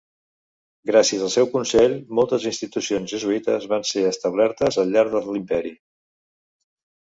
Gràcies al seu consell, moltes institucions jesuïtes van ser establertes al llarg de l'Imperi.